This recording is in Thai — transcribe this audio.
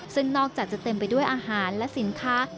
ซึ่งนอกจากจะเต็มไปด้วยอาหารและสินค้า